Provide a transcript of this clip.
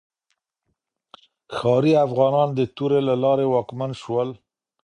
ښاري افغانان د تورې له لارې واکمن شول.